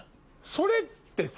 それってさ。